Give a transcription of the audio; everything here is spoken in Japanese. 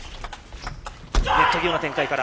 ネット際の展開から。